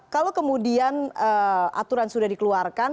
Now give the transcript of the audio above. kalau kemudian aturan sudah dikeluarkan